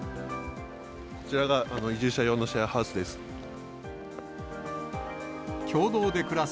こちらが移住者用のシェアハウスです。